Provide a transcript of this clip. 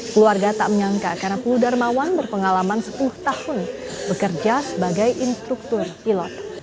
keluarga tak menyangka karena pul darmawan berpengalaman sepuluh tahun bekerja sebagai instruktur pilot